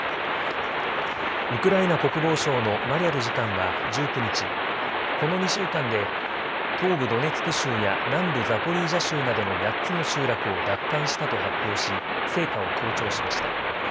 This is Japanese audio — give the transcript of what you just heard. ウクライナ国防省のマリャル次官は１９日、この２週間で東部ドネツク州や南部ザポリージャ州などの８つの集落を奪還したと発表し成果を強調しました。